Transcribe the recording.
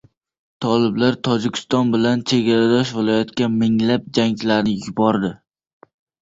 Toliblar Tojikiston bilan chegaradosh viloyatga minglab jangchilarini yubordi